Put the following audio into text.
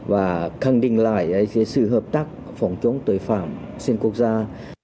và khẳng định lại sự hợp tác phòng chống tội phạm xuyên quốc gia